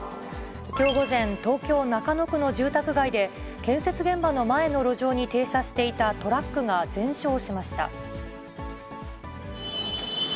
きょう午前、東京・中野区の住宅街で、建設現場の前の路上に停車していたトラックが全焼しました。